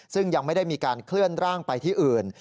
ซึ่งยังไม่ได้มีการเคลื่อนร่างไปที่อื่น